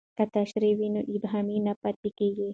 که تشریح وي نو ابهام نه پاتې کیږي.